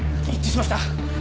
一致しました！